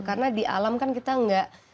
karena di alam kan kita nggak